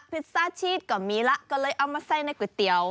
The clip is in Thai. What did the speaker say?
ซ่าชีสก็มีแล้วก็เลยเอามาใส่ในก๋วยเตี๋ยว